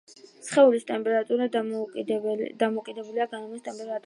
სხეულის ტემპერატურა დამოკიდებულია გარემოს ტემპერატურაზე.